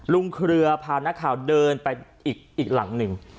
เครือพานักข่าวเดินไปอีกหลังหนึ่ง